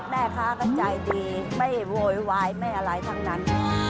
แม่ค้าก็ใจดีไม่โวยวายไม่อะไรทั้งนั้น